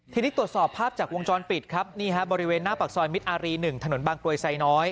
ทีนี้ตรวจสอบภาพจากวงจรปิดบริเวณหน้าปากซอยมิตอารี๑ถนนบางโตยไซน้อย